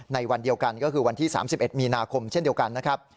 ในวันเดียวกันก็คือวันที่๓๑มีนาคมเช่นเดียวกันนะครับ